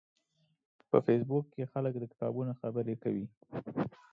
په فېسبوک کې خلک د کتابونو خبرې کوي